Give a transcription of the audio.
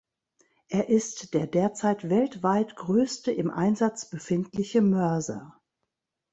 Er ist der derzeit weltweit größte im Einsatz befindliche Mörser.